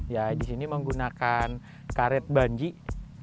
ya di sini menggunakan karet banjik